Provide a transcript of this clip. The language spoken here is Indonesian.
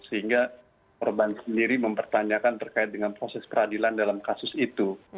sehingga korban sendiri mempertanyakan terkait dengan proses peradilan dalam kasus itu